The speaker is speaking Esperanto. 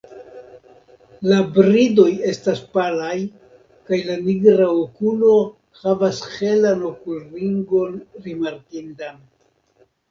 La bridoj estas palaj kaj la nigra okulo havas helan okulringon rimarkindan.